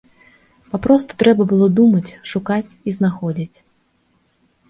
Папросту трэба было думаць, шукаць і знаходзіць!